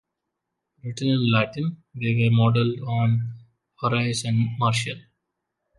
Written in Latin, they were modelled on Horace and Martial.